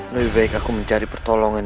lebih baik aku mencari pertolongan